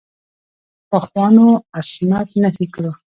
پخوانو عصمت نفي کړو.